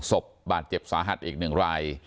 ทรงศพบาดเจ็บสาหัดอีกหนึ่งราย